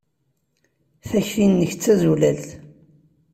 Takti-nnek d tazulalt.